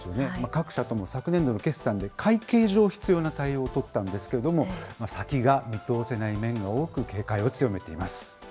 各社とも昨年度の決算で、会計上、必要な対応を取ったんですけれども、先が見通せない面が多く、警戒を強めています。